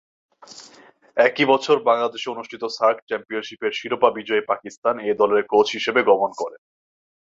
একই বছর বাংলাদেশে অনুষ্ঠিত সার্ক চ্যাম্পিয়নশীপের শিরোপা বিজয়ী পাকিস্তান এ দলের কোচ হিসেবে গমন করেন।